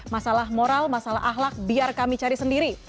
masalah moral masalah ahlak biar kami cari sendiri